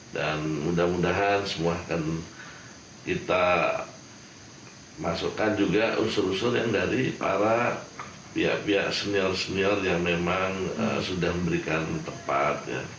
dan mudah mudahan semua akan kita masukkan juga usur usur yang dari para pihak pihak senil senil yang memang sudah memberikan tempat